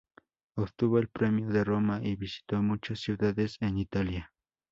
Obtuvo el Premio de Roma y visitó muchas ciudades en Italia.